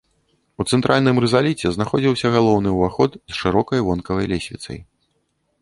У цэнтральным рызаліце знаходзіўся галоўны ўваход з шырокай вонкавай лесвіцай.